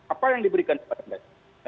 apa yang diberikan kepada mereka